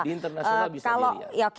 di internasional bisa jadi ya